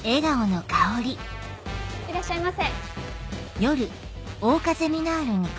いらっしゃいませ。